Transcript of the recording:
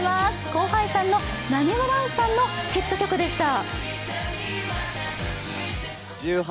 後輩さんの、なにわ男子さんのヒット曲でした。